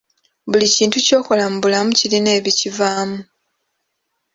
Buli kintu ky'okola mu bulamu kirina ebikivaamu.